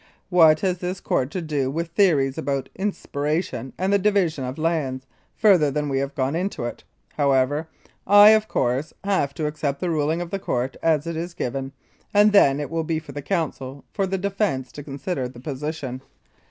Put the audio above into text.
What has this Court to do with theories about inspiration and the division of lands, further than we have gone into it? However, I, of course, have to accept the ruling of the Court as it is given, and then it will be for the counsel for the defence to consider the position.